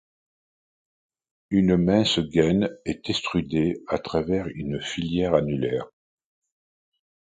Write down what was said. Une mince gaine est extrudée à travers une filière annulaire.